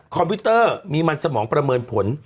พิวเตอร์มีมันสมองประเมินผล